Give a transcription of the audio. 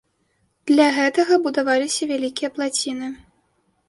Для гэтага будаваліся вялікія плаціны.